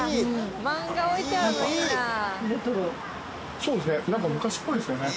そうですね。